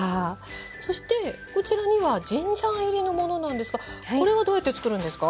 そしてこちらにはジンジャー入りのものなんですがこれはどうやってつくるんですか？